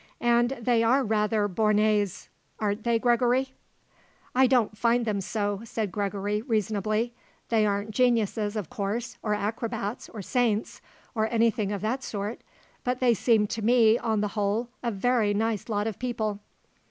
And they are rather bornés, aren't they, Gregory." "I don't find them so," said Gregory, reasonably. "They aren't geniuses, of course, or acrobats, or saints, or anything of that sort; but they seem to me, on the whole, a very nice lot of people."